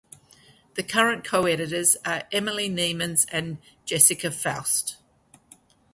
The current co-editors are Emily Nemens and Jessica Faust.